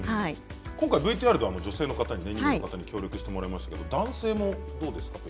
今回ＶＴＲでは女性の方に協力してもらいましたが男性もどうですか？